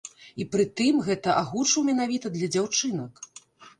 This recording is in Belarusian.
І прытым гэта агучыў менавіта для дзяўчынак.